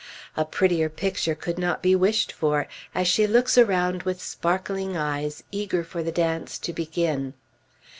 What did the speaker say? A prettier picture could not be wished for, as she looks around with sparkling eyes, eager for the dance to begin.